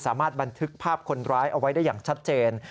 สามารถบันทึกภาพคนร้ายเอาไว้ได้อย่างชัดเจน